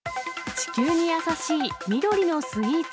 地球に優しい緑のスイーツ。